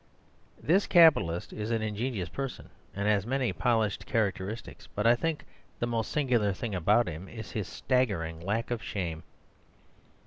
This Capitalist is an ingenious person, and has many polished characteristics; but I think the most singular thing about him is his staggering lack of shame.